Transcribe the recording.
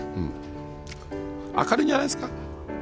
明るいんじゃないですか？